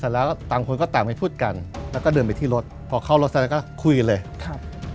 แล้วต่างคนก็ต่างไปพูดกันแล้วก็เดินไปที่รถพอเข้ารถซะแล้วก็คุยกันเลยครับ